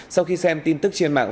sau khi xem tin tức trên mạng